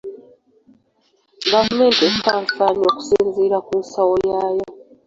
Gavumenti esaasaanya okusinzira ku nsawo yaayo.